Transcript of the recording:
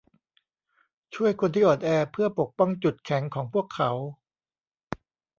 ช่วยคนที่อ่อนแอเพื่อปกป้องจุดแข็งของพวกเขา